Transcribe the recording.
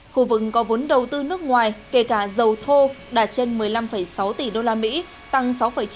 khu vực có vốn đầu tư nước ngoài kể cả dầu thô đạt trên một mươi năm sáu tỷ đô la mỹ tăng sáu chín